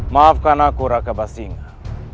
maafkan aku raka basinga